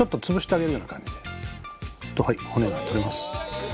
はい骨が取れます。